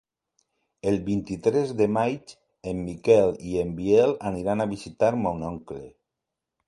El vint-i-tres de maig en Miquel i en Biel aniran a visitar mon oncle.